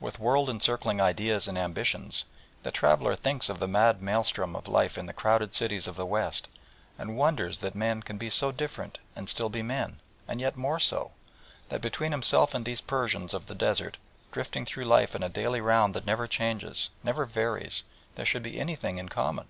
With world encircling ideas and ambitions, the traveller thinks of the mad maelstrom of life in the crowded cities of the West, and wonders that men can be so different and still be men, and yet more so, that between himself and these Persians of the desert, drifting through life in a daily round that never changes, never varies, there should be anything in common.